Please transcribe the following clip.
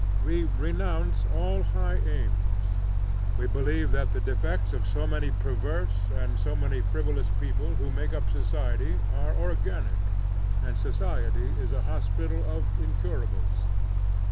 We renounce all high aims. We believe that the defects of so many perverse and so many frivolous people who make up society, are organic, and society is a hospital of incurables.